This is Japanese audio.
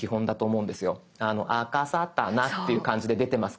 あかさたなっていう感じで出てますから。